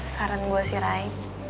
saran gue sih ray